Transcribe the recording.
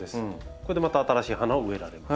これでまた新しい花を植えられます。